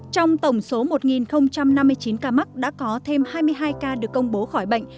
trong tổng số một năm mươi chín ca mắc đã có thêm hai mươi hai ca được công bố khỏi bệnh